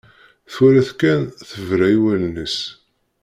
Twala-t kan, tebra i wallen-is.